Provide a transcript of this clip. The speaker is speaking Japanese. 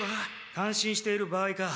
感心している場合か。